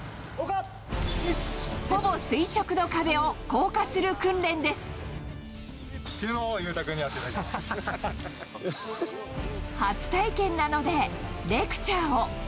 ほぼ垂直の壁を降下する訓練です。というのを裕太君にやってい初体験なので、レクチャーを。